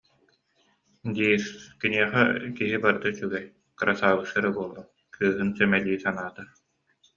диир, киниэхэ киһи барыта үчүгэй, кырасаабысса эрэ буоллун, кыыһын сэмэлии санаата